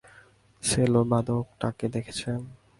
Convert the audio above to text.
Cello বাদক টাকে দেখেছেন?